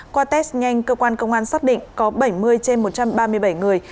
qua test nhanh cơ quan công an xác định có bảy mươi trên một trăm ba mươi bảy người